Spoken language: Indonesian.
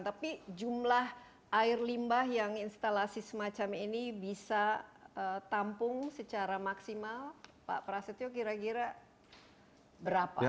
tapi jumlah air limbah yang instalasi semacam ini bisa tampung secara maksimal pak prasetyo kira kira berapa